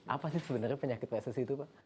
apa sih sebenarnya penyakit pssi itu pak